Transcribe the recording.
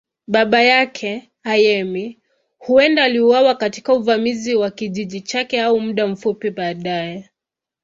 Baba yake, Ayemi, huenda aliuawa katika uvamizi wa kijiji chake au muda mfupi baadaye.